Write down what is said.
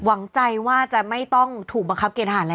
หวังใจว่าจะไม่ต้องถูกบังคับเกณฑหารแล้ว